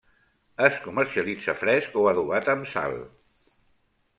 Es comercialitza fresc o adobat amb sal.